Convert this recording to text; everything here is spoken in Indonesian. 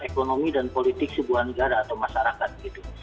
ekonomi dan politik sebuah negara atau masyarakat gitu